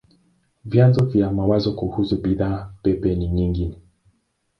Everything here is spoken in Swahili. Vyanzo vya mawazo kuhusu bidhaa pepe ni nyingi.